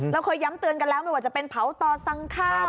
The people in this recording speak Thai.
เราเคยย้ำเตือนกันแล้วไม่ว่าจะเป็นเผาต่อสั่งข้าว